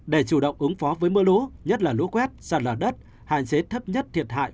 để chủ động ứng phó với mưa lũ nhất là lũ quét sạt lở đất hạn chế thấp nhất thiệt hại